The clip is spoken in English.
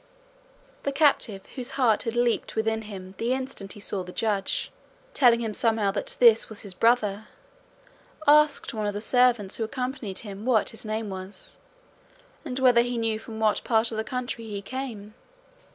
The captive, whose heart had leaped within him the instant he saw the Judge, telling him somehow that this was his brother, asked one of the servants who accompanied him what his name was, and whether he knew from what part of the country he came.